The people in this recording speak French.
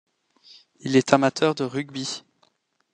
Il est amateur de rugby.